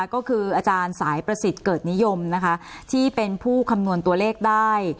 ก็คืออาจารย์สายประสิทธิ์เกิดนิยมนะคะที่เป็นผู้คำนวณตัวเลขได้